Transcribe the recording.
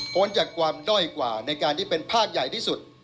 จากความด้อยกว่าในการที่เป็นภาคใหญ่ที่สุด